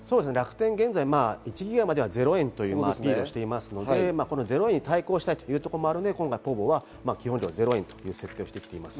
現在、１ギガでは０円という対応ですので、これに対抗したいというところもあるので、ｐｏｖｏは基本料０円という設定をしています。